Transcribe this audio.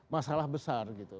masalah besar gitu